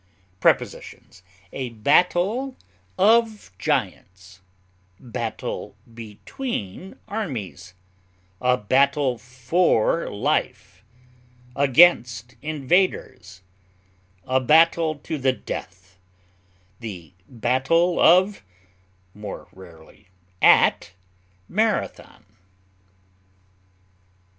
Prepositions: A battle of giants; battle between armies; a battle for life, against invaders; a battle to the death; the battle of (more rarely at) Marathon.